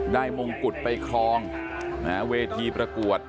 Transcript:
ได้มงค์กุฎไปคลองทางเวทยี่ประกวด